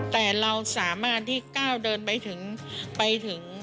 แต่เราสามารถที่ก้าวเดินไปถึง